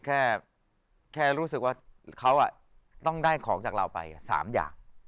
แค่รู้สึกว่าเขาต้องได้ของจากเราไป๓อย่าง